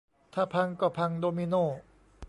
ถ้าพังก็พังโดมิโน